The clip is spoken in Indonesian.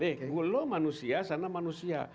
eh dulu lo manusia sana manusia